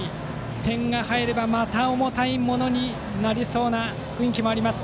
点が入ればまた重たいものになりそうな雰囲気もあります。